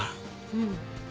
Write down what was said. うん。